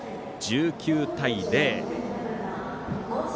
１９対０。